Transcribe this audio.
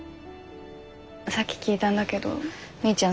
さっき聞いたんだけどみーちゃん